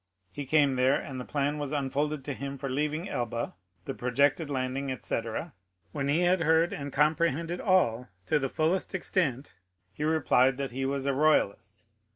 He came there, and the plan was unfolded to him for leaving Elba, the projected landing, etc. When he had heard and comprehended all to the fullest extent, he replied that he was a royalist.